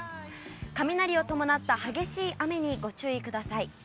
雷を伴った激しい雨にご注意ください。